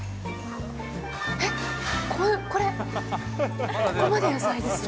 えっ、これ、ここまで野菜ですよ。